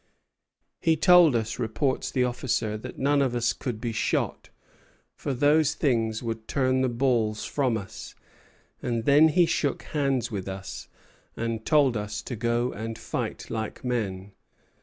"He told us," reports the officer, "that none of us could be shot, for those things would turn the balls from us; and then shook hands with us, and told us to go and fight like men."